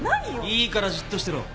いいからじっとしてろ。